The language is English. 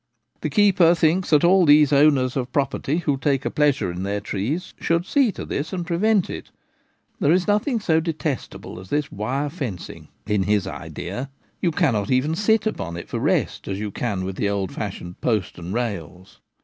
The keeper thinks that all those owners of pro perty who take a pleasure in their trees should see to this and prevent it. There is nothing so detestable as this wire fencing in his idea. You cannot even sit upon it for rest, as you can on the old fashioned post and rails.